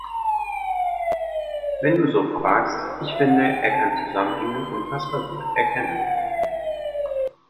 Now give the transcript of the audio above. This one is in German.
Wenn du so fragst, ich finde, er kann Zusammenhänge unfassbar gut erkennen.